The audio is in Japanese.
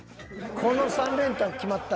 この３連単決まったら。